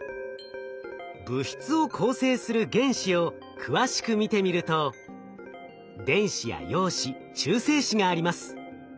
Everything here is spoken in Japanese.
物質を構成する原子を詳しく見てみると電子や陽子中性子があります。